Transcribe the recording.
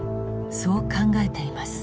そう考えています。